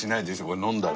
これ飲んだら。